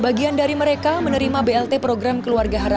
masing masing warga mendapat blt dengan nominal yang berbeda beda